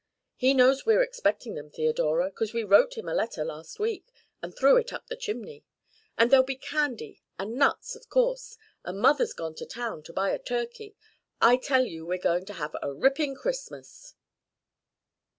He knows we're expecting them, Theodora, 'cause we wrote him a letter last week, and threw it up the chimney. And there'll be candy and nuts, of course, and Mother's gone to town to buy a turkey. I tell you we're going to have a ripping Christmas."